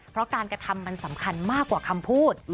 เพราะการกระทำมันสำคัญมากกว่าคำพูด